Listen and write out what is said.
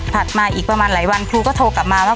มาอีกประมาณหลายวันครูก็โทรกลับมาว่า